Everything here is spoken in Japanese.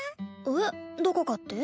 えっどこかって？